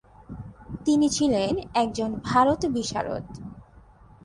তিনি ছিলেন একজন ভারতবিশারদ।